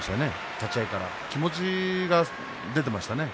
立ち合いから気持ちが出ていましたね。